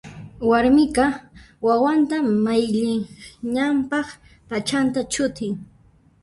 Warmiqa wawanta mayllinanpaq p'achanta ch'utin.